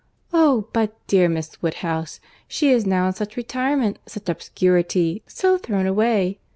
"Oh! but dear Miss Woodhouse, she is now in such retirement, such obscurity, so thrown away.